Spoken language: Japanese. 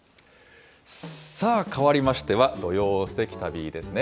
さあ変わりましては、土曜すてき旅ですね。